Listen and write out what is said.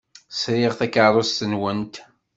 Sriɣ takeṛṛust-nwent.